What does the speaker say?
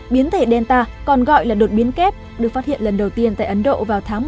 biến thể delta còn gọi là đột biến kép được phát hiện lần đầu tiên tại ấn độ vào tháng một mươi hai năm hai nghìn hai mươi